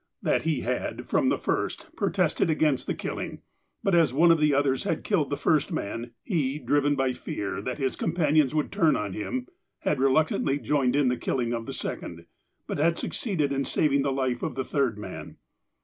That he had, from the first, protested against the killiug, but, as one of the others had killed the first man, he, driven by fear that his companions would turn on him, had reluctantly joined in the killing of the second, but had succeeded in saving the life of the third man.